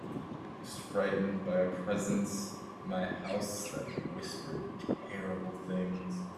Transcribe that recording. I was frightened by a presence in my house that whispered terrible things.